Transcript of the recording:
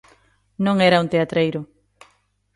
Non era un teatreiro.